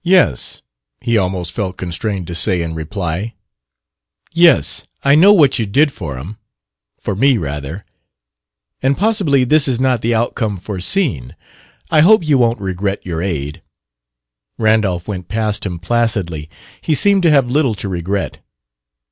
"Yes," he almost felt constrained to say in reply, "yes, I know what you did for him for me, rather; and possibly this is not the outcome foreseen. I hope you won't regret your aid." Randolph went past him placidly. He seemed to have little to regret.